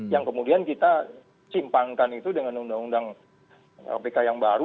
yang kemudian kita simpangkan itu dengan undang undang kpk yang baru malah jadi di bawah itu anak anak kemarin